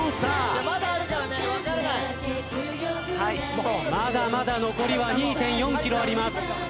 まだまだ残りは２．４ｋｍあります。